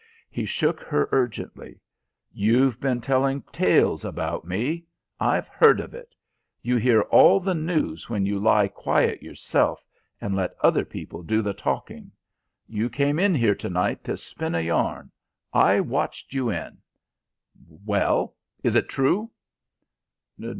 He shook her urgently. "You've been telling tales about me. I've heard of it. You hear all the news when you lie quiet yourself and let other people do the talking. You came in here to night to spin a yarn. I watched you in. Well, is it true?"